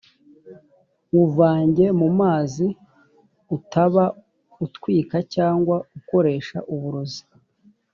wuvange mu mazi utaba utwika cyangwa ukoresha uburozi